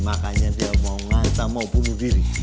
makanya dia mau ngantah mau bunuh diri